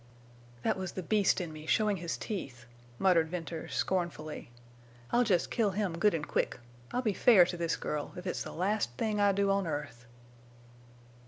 "That was the beast in me—showing his teeth!" muttered Venters, scornfully. "I'll just kill him good and quick! I'll be fair to this girl, if it's the last thing I do on earth!"